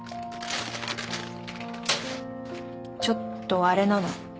ちょっとあれなの？